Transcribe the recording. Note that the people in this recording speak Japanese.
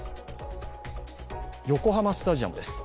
横浜スタジアムです。